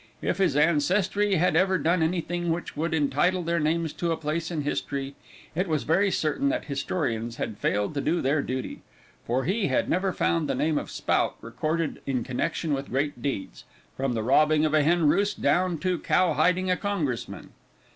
If his ancestry had ever done anything which would entitle their names to a place in history, it was very certain that historians had failed to do their duty: for he had never found the name of Spout recorded in connection with great deeds, from the robbing of a hen roost down to cowhiding a Congressman.